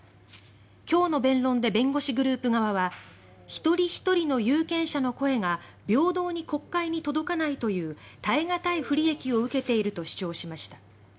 今日の弁論で弁護士グループ側は一人ひとりの有権者の声が平等に国会に届かないという堪えがたい不利益を受けていると主張しました。